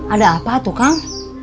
ada apa tuh kang